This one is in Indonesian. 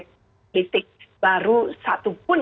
politik baru satupun